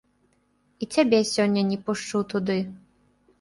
І цябе сёння не пушчу туды.